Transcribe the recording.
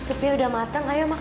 gotta sengketnya aku yang masak